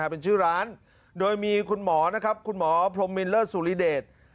เป็นชื่อร้านโดยมีคุณหมอนะครับคุณหมอพรมมินเลิศสุริเดช